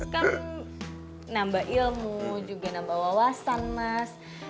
kan nambah ilmu juga nambah wawasan mas